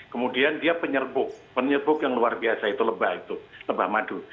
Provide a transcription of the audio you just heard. kemudian dia penyerbuk penyerbuk yang luar biasa itu lebah itu lebah madu